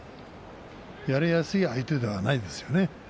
だとするとやりやすい相手ではないですよね。